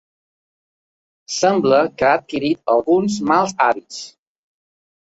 Sembla que ha adquirit alguns mals hàbits